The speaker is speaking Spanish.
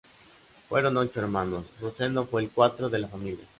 Fueron ocho hermanos, Rosendo fue el cuatro de la familia.